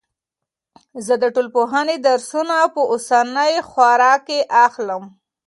زه د ټولنپوهنې درسونه په اوسنۍ خوره کې اخلم.